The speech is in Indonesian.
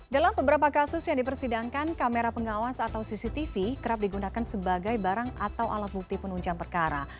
dalam beberapa kasus yang dipersidangkan kamera pengawas atau cctv kerap digunakan sebagai barang atau alat bukti penunjang perkara